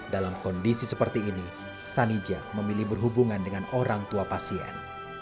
dalam kondisi seperti ini sanija memilih berhubungan dengan orang tua pasien